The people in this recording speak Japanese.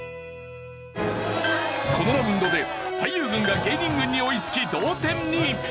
このラウンドで俳優軍が芸人軍に追いつき同点に。